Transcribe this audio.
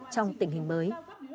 trong tình hình mới